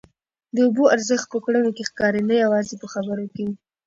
د اوبو ارزښت په کړنو کي ښکاري نه یوازي په خبرو کي.